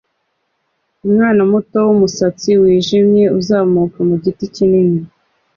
Umwana muto wumusatsi wijimye uzamuka mugiti kinini